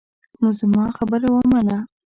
نو زما خبره ومنه.